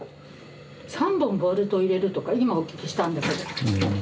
３本ボルト入れるとか今お聞きしたんだけど。